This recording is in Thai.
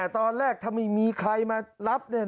ตอนแรกถ้าไม่มีใครมารับ